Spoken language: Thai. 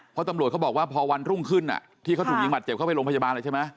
เพราะตำรวจเขาบอกว่าพอวันรุ่งขึ้นที่เขาถูกยิงบาดเจ็บเข้าไปโรงพยาบาลเลยใช่ไหม